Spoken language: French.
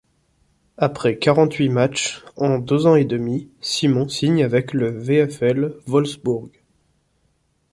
Après quarante-huit matchs en deux ans et demi, Simon signe avec le VfL Wolfsbourg.